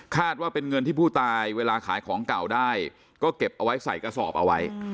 ว่าเป็นเงินที่ผู้ตายเวลาขายของเก่าได้ก็เก็บเอาไว้ใส่กระสอบเอาไว้